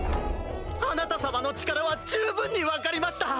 あなた様の力は十分に分かりました！